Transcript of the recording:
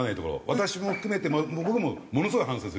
私も含めて僕もものすごい反省するよ。